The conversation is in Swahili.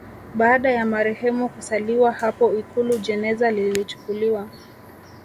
Baada ya marehemu kusaliwa hapo Ikulu jeneza lilichukuliwa